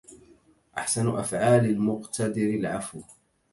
أحسن أفعال المقتدر العفو.